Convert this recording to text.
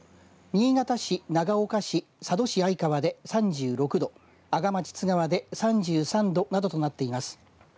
新潟市、長岡市佐渡市相川で３６度阿賀町津川で３３度などとなっています。